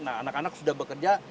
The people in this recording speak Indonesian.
nah anak anak sudah bekerja